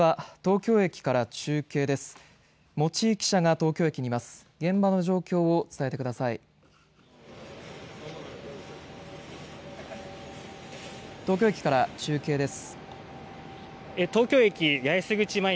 では、東京駅から中継です。